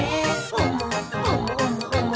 「おもおもおも！